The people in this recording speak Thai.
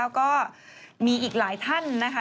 ก็มีอีกหลายท่านนะคะ